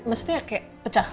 mestinya kayak pecah